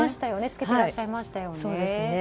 着けていらっしゃいましたよね。